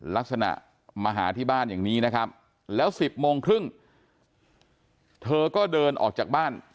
ลักษณะมาหาที่บ้านอย่างนี้นะครับแล้ว๑๐โมงครึ่งเธอก็เดินออกจากบ้าน